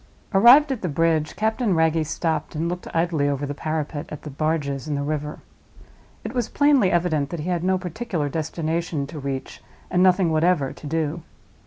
Arrived at the bridge, Captain Wragge stopped and looked idly over the parapet at the barges in the river. It was plainly evident that he had no particular destination to reach and nothing whatever to do.